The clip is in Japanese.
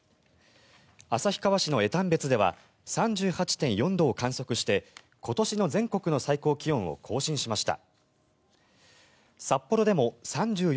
旭川市の江丹別では３８．４度を観測して今年の全国の最高気温を更新しました。